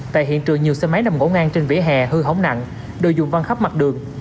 tại hiện trường nhiều xe máy nằm ngỗ ngang trên vỉa hè hư hỏng nặng đồ dùng văn khắp mặt đường